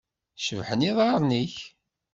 Cebḥen yiḍarren-nnek.